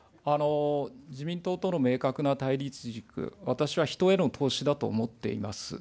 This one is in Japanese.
自民党との明確な対立軸、私は人への投資だと思っています。